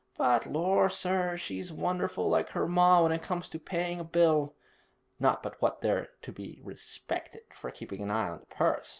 But lor' sir, she's wonderful like her ma when it comes to paying a bill, not but what they're to be respected for keeping a heye on the purse.